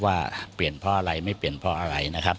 ว่าเปลี่ยนเพราะอะไรไม่เปลี่ยนเพราะอะไรนะครับ